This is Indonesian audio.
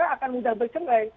akan mudah bercerai